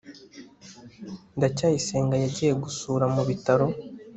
ndacyayisenga yagiye gusura mu bitaro